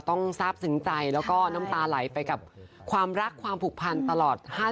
ทราบซึ้งใจแล้วก็น้ำตาไหลไปกับความรักความผูกพันตลอด